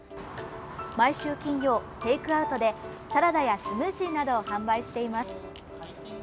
毎週金曜、テイクアウトでサラダやスムージーなどを販売しています。